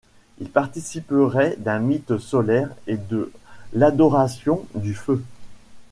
Il participerait d'un mythe solaire et de l'adoration du feu.